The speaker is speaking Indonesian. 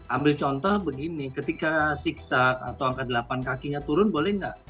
ambil contoh begini ketika zigzag atau angka delapan kakinya turun boleh nggak